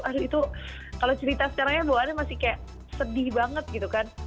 aduh itu kalau cerita sekarangnya bahwa ada yang masih kayak sedih banget gitu kan